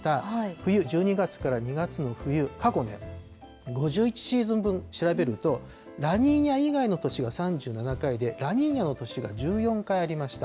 冬、１２月から２月の冬、過去ね、５１シーズン分調べると、ラニーニャ以外の年が３７回でラニーニャの年が１４回ありました。